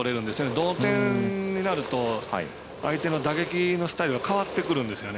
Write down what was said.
同点になると相手の打撃のスタイルが変わってくるんですよね。